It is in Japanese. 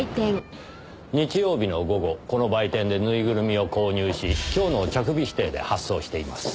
日曜日の午後この売店でぬいぐるみを購入し今日の着日指定で発送しています。